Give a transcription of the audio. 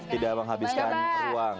tidak menghabiskan ruang